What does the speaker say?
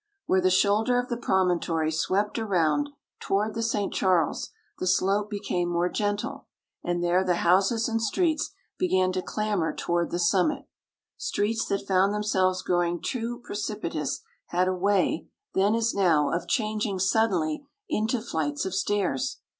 Where the shoulder of the promontory swept around toward the St. Charles, the slope became more gentle, and there the houses and streets began to clamber toward the summit. Streets that found themselves growing too precipitous had a way, then as now, of changing suddenly into flights of stairs.